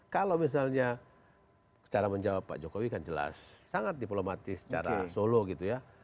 kalau misalnya cara menjawab pak jokowi kan jelas sangat diplomatis secara solo gitu ya